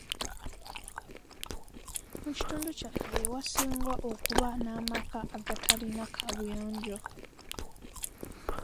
Mu kitundu kyaffe ye wasinga okuba n'amaka agatalina kaabuyonjo.